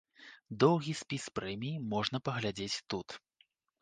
Доўгі спіс прэміі можна паглядзець тут.